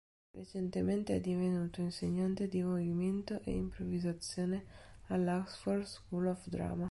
Recentemente è divenuto insegnante di movimento e improvvisazione alla Oxford School of Drama.